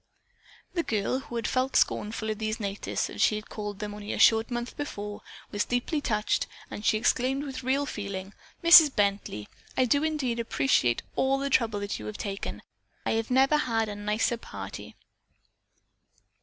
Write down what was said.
The girl, who had felt scornful of these "natives," as she had called them only a short month before, was deeply touched and she exclaimed with real feeling: "Mrs. Bently, I do indeed appreciate all the trouble that you have taken. I have never had a nicer party."